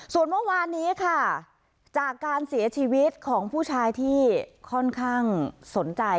ส่วนเมื่อวานนี้ค่ะจากการเสียชีวิตของผู้ชายที่ค่อนข้างสนใจ